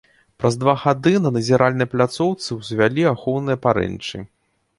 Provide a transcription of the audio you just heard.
Праз два гады на назіральнай пляцоўцы ўзвялі ахоўныя парэнчы.